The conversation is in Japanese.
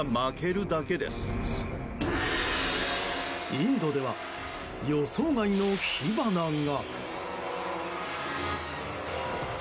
インドでは、予想外の火花が。